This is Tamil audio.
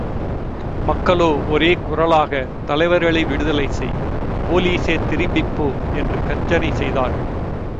மக்களோ ஒரே குரலாக, தலைவர்களை விடுதலை செய், போலீசே திரும்பிப் போ என்று கர்ஜனை செய்தார்கள்.